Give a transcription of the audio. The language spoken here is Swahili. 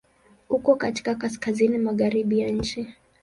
Uko katika Kaskazini magharibi ya nchi.